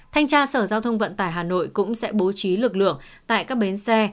thanh tra sở giao thông vận tải hà nội cũng sẽ bố trí lực lượng tại các bến xe